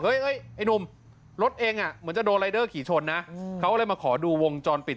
ไอ้หนุ่มรถเองอ่ะเหมือนจะโดนรายเดอร์ขี่ชนนะเขาเลยมาขอดูวงจรปิด